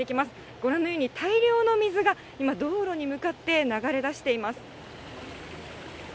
ご覧のように大量の水が、今、道路に向かって流れ出しています。